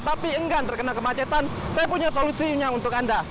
tapi enggan terkena kemacetan saya punya solusinya untuk anda